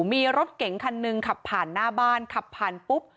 มีรถเก๋งคันหนึ่งขับผ่านหน้าบ้านขับผ่านปุ๊บ